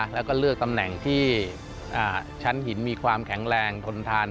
แล้วก็เลือกตำแหน่งที่ชั้นหินมีความแข็งแรงทนทาน